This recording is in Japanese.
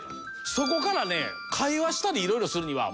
そこからね会話したり色々するにはアプリを入れな。